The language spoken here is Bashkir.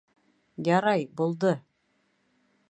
Ярай, булды!